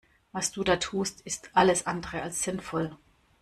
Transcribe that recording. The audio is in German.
Was du da tust ist alles andere als sinnvoll.